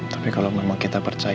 tapi kalau memang kita percaya